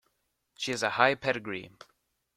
She has a high pedigree.